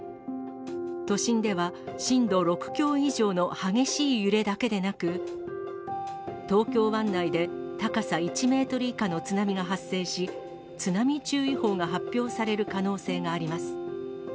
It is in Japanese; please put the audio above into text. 都心では震度６強以上の激しい揺れだけでなく、東京湾内で高さ１メートル以下の津波が発生し、津波注意報が発表される可能性があります。